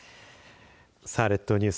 さあ、列島ニュース